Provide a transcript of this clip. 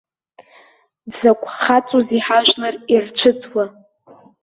Дзакә хаҵоузеи ҳажәлар ирцәыӡуа!